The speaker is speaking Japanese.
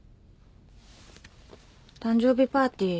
誕生日パーティー